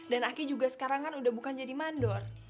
dan aki juga sekarang kan udah bukan jadi mandor